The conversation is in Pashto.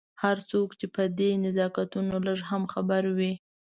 هر څوک چې په دې نزاکتونو لږ هم خبر وي.